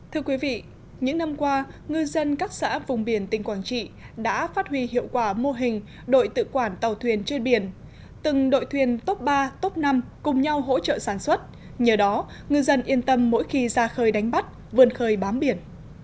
thưa quý vị những năm qua ngư dân các xã vùng biển tỉnh quảng trị đã phát huy hiệu quả mô hình đội tự quản tàu thuyền trên biển từng đội thuyền tốc ba top năm cùng nhau hỗ trợ sản xuất nhờ đó ngư dân yên tâm mỗi khi ra khơi đánh bắt vươn khơi bám biển